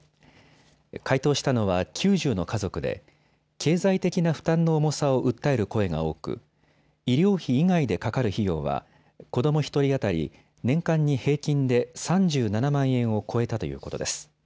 回答したのは９０の家族で経済的な負担の重さを訴える声が多く医療費以外でかかる費用は子ども１人当たり年間に平均で３７万円を超えたということです。